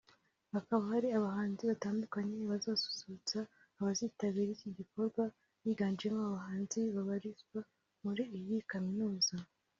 hakaba hari abahanzi batandukanye bazasusurutsa abazitabiri iki gikorwa biganjemo abahanzi babarizwa muri iyi kaminuza